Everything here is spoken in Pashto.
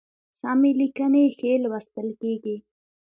سمي لیکنی ښی لوستل کیږي